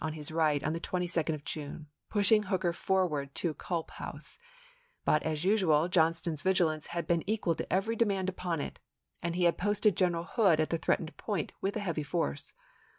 on his right on the 22d of June, pushing Hooker forward to the Kulp House ; but, as usual, John ston's vigilance had been equal to every demand upon it, and he had posted General Hood at the threatened point with a heavy force.